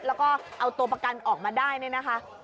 แล้วก็เอาตัวประกันออกมาได้เนี่ยนะคะ